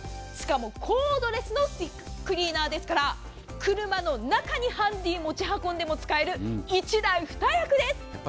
しかもコードレスのスティッククリーナーですから車の中にハンディ持ち運んでも使える１台２役です。